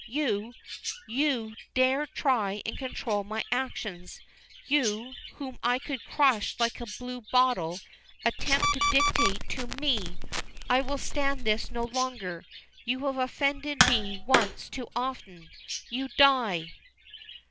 You you dare try and control my actions you, whom I could crush like a blue bottle attempt to dictate to me! I will stand this no longer. You have offended me once too often. You die!"